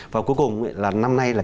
và cuối cùng là năm nay